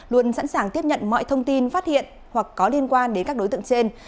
luôn sẵn sàng tiếp nhận mọi thông tin phát hiện hoặc có liên quan đến các đối tượng trên